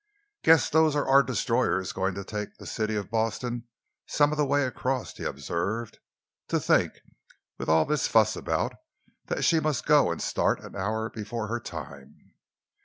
"Guess those are our destroyers going to take the City of Boston some of the way across," he observed. "To think, with all this fuss about, that she must go and start an hour before her time!"